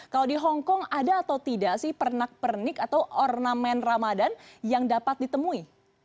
kalau di hongkong ada atau tidak sih pernak pernik atau ornamen ramadan yang dapat ditemui